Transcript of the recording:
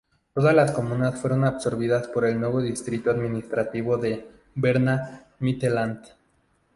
Todas las comunas fueron absorbidas por el nuevo distrito administrativo de Berna-Mittelland.